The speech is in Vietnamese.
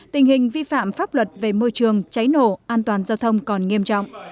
tình hình vi phạm pháp luật về môi trường cháy nổ an toàn giao thông còn nghiêm trọng